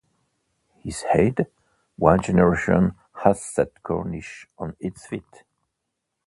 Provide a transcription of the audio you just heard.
He said, One generation has set Cornish on its feet.